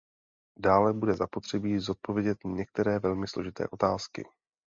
Dále bude zapotřebí zodpovědět některé velmi složité otázky.